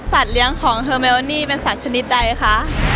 เลี้ยงของเทอร์เมลนี่เป็นสัตว์ชนิดใดคะ